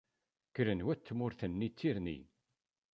Kkren wat tmurt-nni d tirni.